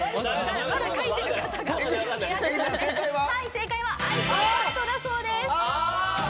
正解は「アイコンタクト」だそうです。